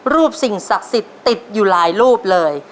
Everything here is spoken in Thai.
สิ่งศักดิ์สิทธิ์ติดอยู่หลายรูปเลย